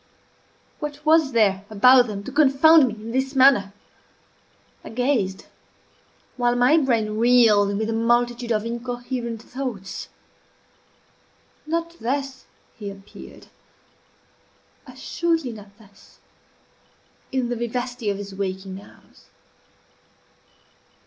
What was there about them to confound me in this manner? I gazed, while my brain reeled with a multitude of incoherent thoughts. Not thus he appeared assuredly not thus in the vivacity of his waking hours.